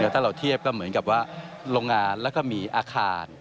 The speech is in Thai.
ถ้าเราเทียบก็เหมือนกับว่าโรงงานแล้วก็มีอาคาร